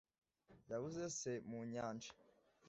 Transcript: Yabuze se mu nyanja.